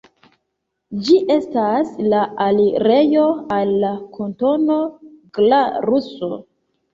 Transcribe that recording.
Ĝi estas la alirejo al la Kantono Glaruso.